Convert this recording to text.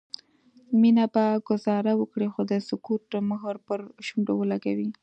مينه به ګذاره وکړي خو د سکوت مهر به پر شونډو ولګوي